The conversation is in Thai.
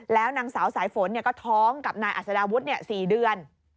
แล้วนางสาวสายฝนก็ท้องกับนายอัศดาวุฒิ๔เดือน